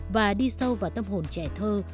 và đi sâu vào tâm hồn trẻ thơ